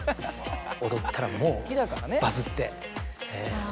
踊ったらもうバズって。